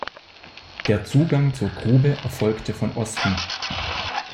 Der Zugang zur Grube erfolgte von Osten.